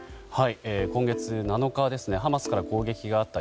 今月７日ハマスから攻撃があった